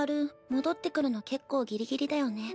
戻ってくるの結構ギリギリだよね。